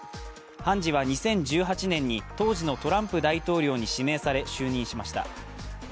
判事は２０１８年に当時のトランプ大統領に指名され就任しました。